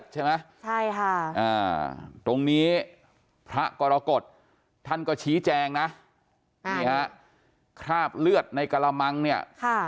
ทีนี้พระกรกฎท่านก็ชี้แจงนะคราบเลือดในกระมังเนี่ย